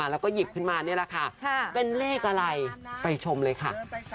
แล้วก็หยิบขึ้นมานี่แหละค่ะเป็นเลขอะไรไปชมเลยค่ะ